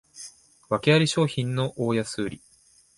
わけあり商品の大安売り